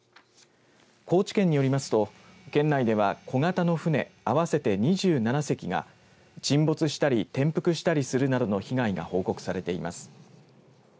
高知県によりますと県内では小型の船合わせて２７隻が沈没したり転覆したるするなどの被害が報告されています。